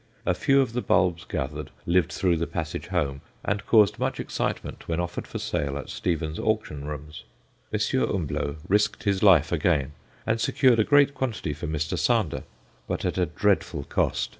A few of the bulbs gathered lived through the passage home, and caused much excitement when offered for sale at Stevens' Auction Rooms. M. Humblot risked his life again, and secured a great quantity for Mr. Sander, but at a dreadful cost.